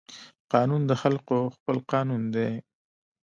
قانون د خلقو خپل قانون دى.